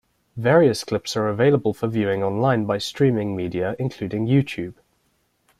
Various clips are available for viewing online by streaming media, including YouTube.